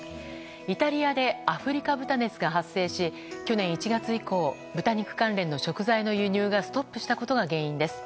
イタリアでアフリカ豚熱が発生し去年１月以降豚肉関連の食材の輸入がストップしたことが原因です。